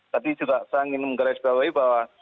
tadi juga saya ingin menggarisbawahi bahwa